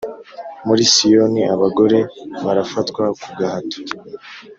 Muri Siyoni, abagore barafatwa ku gahato,